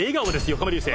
横浜流星」